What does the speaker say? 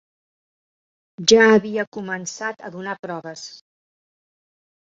Ja havia començat a donar proves